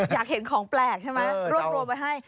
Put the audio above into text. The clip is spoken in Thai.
อยากเห็นของแปลกใช่ไหมรวบรวมไว้ให้